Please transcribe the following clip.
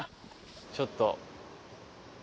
ちょっと。